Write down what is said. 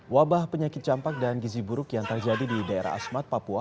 wabah penyakit campak dan gizi buruk yang terjadi di daerah asmat papua